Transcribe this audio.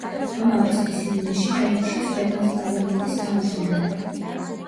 ამავე წლის ივნისში აირჩიეს ქვეყნის პარლამენტის თავჯდომარედ.